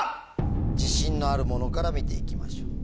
自信のあるものから見ていきましょう。